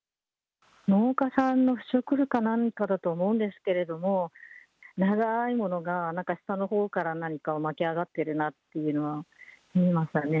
農家さんの不織布か何かだと思うんですけれども、長いものが、なんか下のほうから何か巻き上がってるなっていうのは見ましたね。